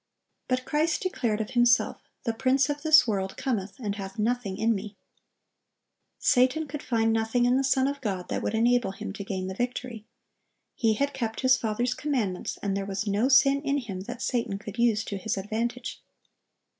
But Christ declared of Himself, "The prince of this world cometh, and hath nothing in Me."(1063) Satan could find nothing in the Son of God that would enable him to gain the victory. He had kept His Father's commandments, and there was no sin in Him that Satan could use to his advantage.